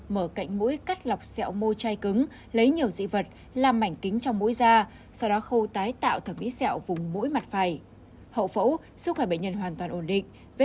mở cạnh mũi cắt lọc xẹo mô chai cứng lấy nhiều dị vật làm mảnh kính trong mũi da sau đó khâu tái tạo thẩm mỹ xẹo vùng mũi mặt phải